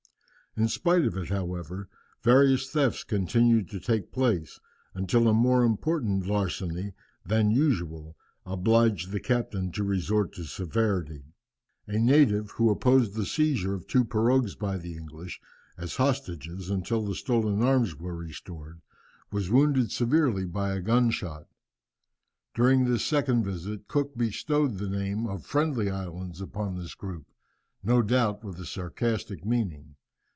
In spite of it, however, various thefts continued to take place, until a more important larceny than usual obliged the captain to resort to severity. A native, who opposed the seizure of two pirogues by the English, as hostages until the stolen arms were restored, was wounded severely by a gunshot. During this second visit Cook bestowed the name of Friendly Islands upon this group, no doubt with a sarcastic meaning.